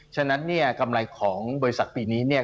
ฉะนั้นเนี่ยกำไรของบริษัทปีนี้เนี่ย